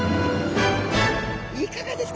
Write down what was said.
いかがですか？